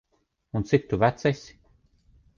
Un, cik tu vecs esi?